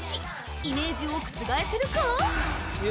イメージを覆せるか？